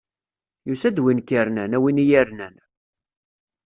Yusa-d win k-irnan, a win i yi-irnan!